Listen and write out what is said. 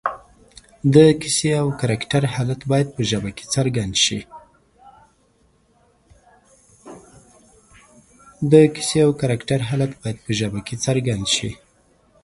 د کیسې او کرکټر حالت باید په ژبه کې څرګند شي